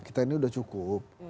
kita ini sudah cukup